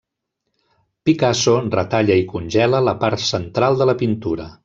Picasso retalla i congela la part central de la pintura.